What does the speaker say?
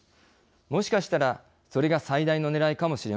もしかしたらそれが最大のねらいかもしれません。